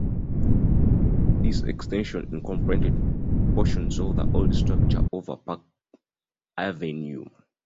This extension incorporated portions of the old structure over Park Avenue.